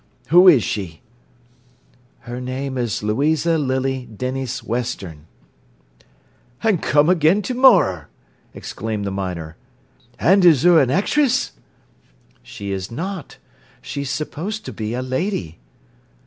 Who is she?" "Her name is Louisa Lily Denys Western." "An' come again to morrer!" exclaimed the miner. "An' is 'er an actress?" "She is not. She's supposed to be a lady."